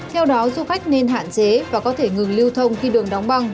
theo đó du khách nên hạn chế và có thể ngừng lưu thông khi đường đóng băng